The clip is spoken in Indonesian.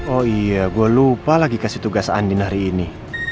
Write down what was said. oh iya gue lupa lagi kasih tugas andin hari ini